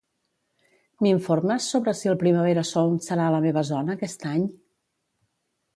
M'informes sobre si el Primavera Sound serà a la meva zona aquest any?